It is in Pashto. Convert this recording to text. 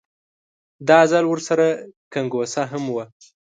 دا ځل ورسره ګونګسه هم وه.